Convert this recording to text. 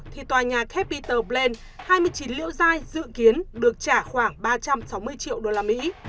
thì tòa nhà capitol plain hai mươi chín liễu dai dự kiến được trả khoảng ba trăm sáu mươi triệu đô la mỹ